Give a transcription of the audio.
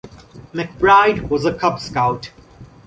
McBride was a Cub Scout.